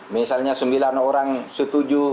misalnya sembilan orang setuju